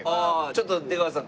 ちょっと出川さん